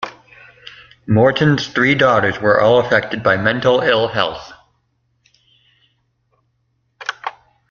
Morton's three daughters were all affected by mental ill-health.